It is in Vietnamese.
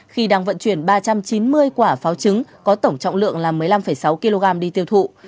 khi đang vận chuyển ba trăm chín mươi quả pháo trứng có tổng trọng lượng là một mươi năm sáu kg đi tiêu thụ